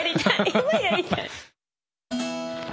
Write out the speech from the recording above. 今やりたい。